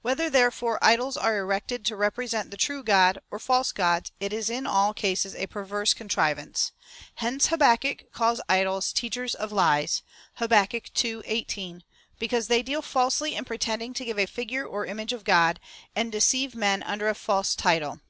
Whether, therefore, idols are erected to represent the true God, or false gods, it is in all cases a perverse contrivance. Hence Habakkuk calls idols teachers of lies, (Hab. ii. 18,) because they deal falsely in pretending to give a figure or image of God, and deceive men under a false title.